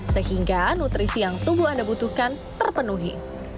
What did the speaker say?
sehingga nutrisi yang tubuh anda butuhkan terpenuhi